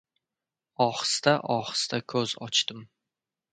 Ohista-ohista ko‘z ochdim...